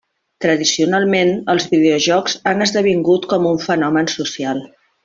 Tradicionalment, els videojocs han esdevingut com a un fenomen social.